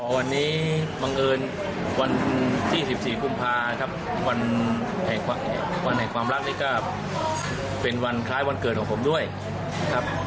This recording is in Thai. วันนี้บังเอิญวันที่๑๔กุมภาครับวันแห่งความรักนี่ก็เป็นวันคล้ายวันเกิดของผมด้วยครับ